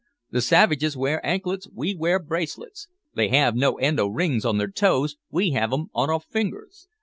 The savages wear anklets, we wear bracelets. They have no end o' rings on their toes, we have 'em on our fingers.